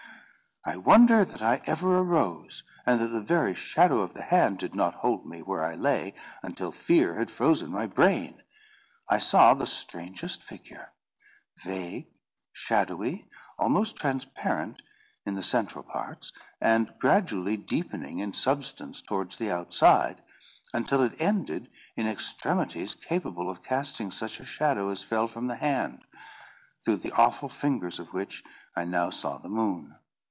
I wonder that ever I arose, and that the very shadow of the hand did not hold me where I lay until fear had frozen my brain. I saw the strangest figure; vague, shadowy, almost transparent, in the central parts, and gradually deepening in substance towards the outside, until it ended in extremities capable of casting such a shadow as fell from the hand, through the awful fingers of which I now saw the moon.